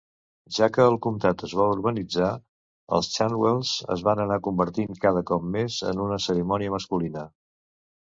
Ja que el comtat es va urbanitzar, els "chantwells" es van anar convertint cada com més en una cerimònia masculina.